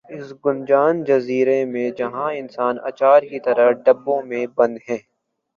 اس گنجان جزیر ے میں جہاں انسان اچار کی طرح ڈبوں میں بند ہے